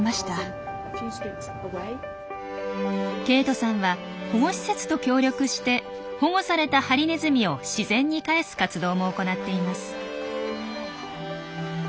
ケイトさんは保護施設と協力して保護されたハリネズミを自然に返す活動も行っています。